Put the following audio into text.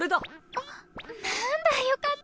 あっなんだ。よかった。